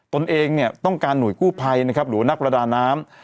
ตนเองเนี่ยต้องการหน่วยกู้ภัยนะครับหรือว่านักประดาน้ำ